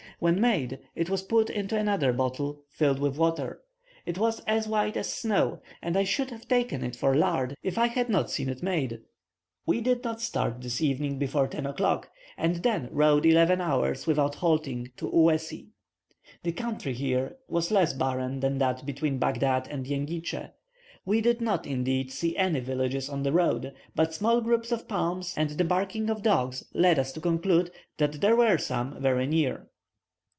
When made, it was put into another bottle filled with water. It was as white as snow, and I should have taken it for lard if I had not seen it made. We did not start this evening before 10 o'clock, and then rode eleven hours without halting, to Uesi. The country here was less barren than that between Baghdad and Jengitsche. We did not, indeed, see any villages on the road; but small groups of palms, and the barking of dogs, led us to conclude that there were some very near.